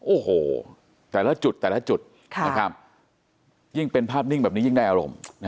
โอ้โหแต่ละจุดแต่ละจุดยิ่งเป็นภาพนิ่งแบบนี้ยิ่งได้อารมณ์